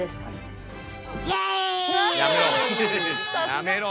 やめろ。